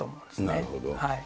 なるほど。